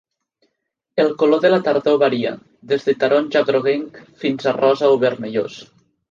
El color de la tardor varia, des de taronja groguenc fins a rosa o vermellós.